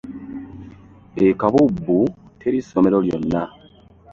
E Kabubbu teri ssomero lyonna!